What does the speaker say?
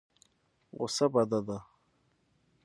غوسه بده ده.